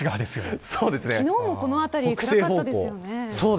昨日もこの辺り暗かったですよね。